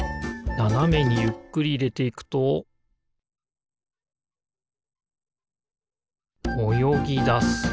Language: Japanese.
ななめにゆっくりいれていくとおよぎだす